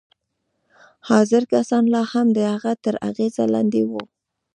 حاضر کسان لا هم د هغه تر اغېز لاندې وو